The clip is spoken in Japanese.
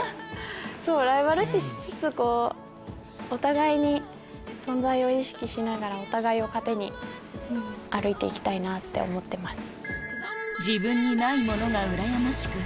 ライバル視しつつお互いに存在を意識しながらお互いを糧に歩いて行きたいなって思ってます。